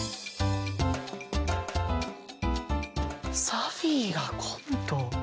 サフィーがコント。